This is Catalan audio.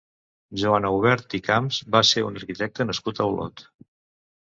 Joan Aubert i Camps va ser un arquitecte nascut a Olot.